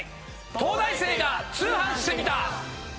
『東大生が通販してみた！！』。